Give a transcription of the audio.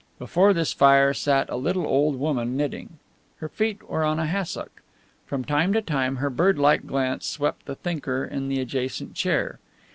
Before this fire sat a little old woman knitting. Her feet were on a hassock. From time to time her bird like glance swept the thinker in the adjacent chair.